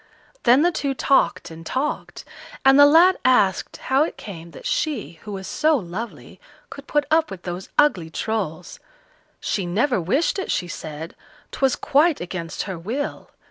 Then the two talked and talked, and the lad asked how it came that she, who was so lovely, could put up with those ugly Trolls. She never wished it, she said; 'twas quite against her will.